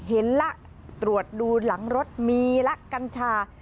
เห็นแล้วตรวจดูหลังรถมีละกัญชา